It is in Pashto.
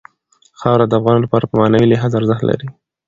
خاوره د افغانانو لپاره په معنوي لحاظ ارزښت لري.